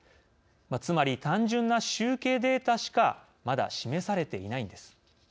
つまり、単純な集計データしかまだ示されていないのです。